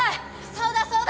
そうだそうだ！